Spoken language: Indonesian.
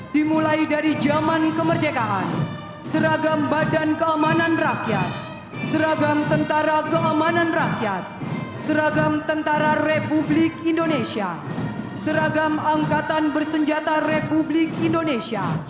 dimulai dari zaman kemerdekaan seragam badan keamanan rakyat seragam tentara keamanan rakyat seragam tentara republik indonesia seragam angkatan bersenjata republik indonesia